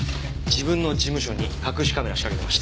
自分の事務所に隠しカメラ仕掛けてました。